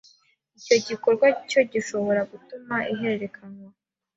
icyo gikorwa cyo gishobora gutuma ihererekanywa.